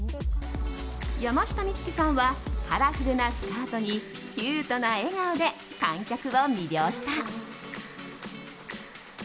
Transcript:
山下美月さんはカラフルなスカートにキュートな笑顔で観客を魅了した。